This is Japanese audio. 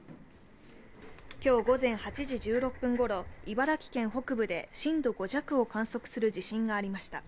今日午前８時１６分ごろ茨城県北部で震度５弱を観測する地震がありました。